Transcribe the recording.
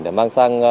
để mang sang